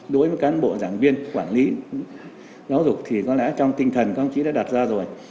đối với cán bộ giảng viên quản lý giáo dục thì có lẽ trong tinh thần các ông chí đã đặt ra rồi